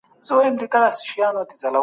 لويه جرګه د هېواد برخليک ټاکي.